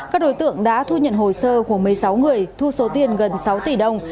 các đối tượng đã thu nhận hồ sơ của một mươi sáu người thu số tiền gần sáu tỷ đồng